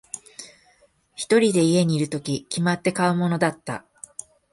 一人で家にいるとき、決まって買うものだった。